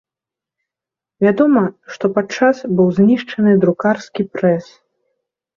Вядома, што падчас быў знішчаны друкарскі прэс.